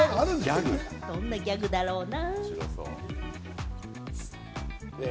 どんなギャグだろうな？